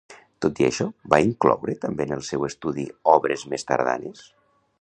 Tot i això, va incloure també en el seu estudi obres més tardanes?